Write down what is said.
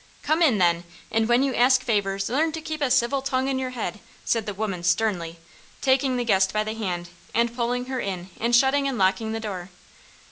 "Come in then and when you ask favors learn to keep a civil tongue in your head!" said the woman sternly, taking the guest by the hand and pulling her in and shutting and locking the door.